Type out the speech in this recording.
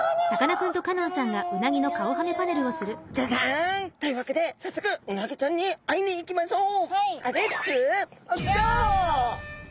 じゃじゃん！というわけで早速うなぎちゃんに会いに行きましょう！